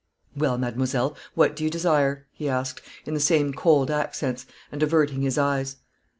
"Well, mademoiselle, what do you desire?" he asked, in the same cold accents, and averting his eyes.